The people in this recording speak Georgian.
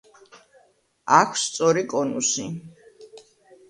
აქვს სწორი კონუსი.